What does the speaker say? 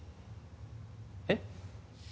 えっ？